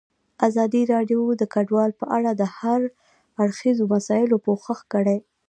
ازادي راډیو د کډوال په اړه د هر اړخیزو مسایلو پوښښ کړی.